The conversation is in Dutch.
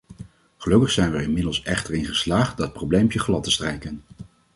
Gelukkig zijn we er inmiddels echter in geslaagd dat probleempje glad te strijken.